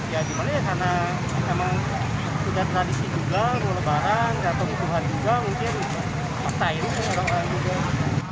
ya gimana ya karena memang sudah tradisi juga ruang lebaran datang ke tuhan juga mungkin maksa itu orang orang juga